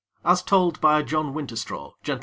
As told by John Winterstraw, Gent.